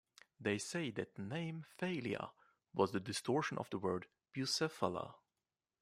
They say that the name Phalia was the distortion of the word Bucephala.